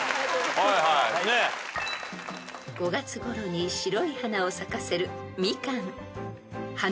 ［５月ごろに白い花を咲かせるミカン］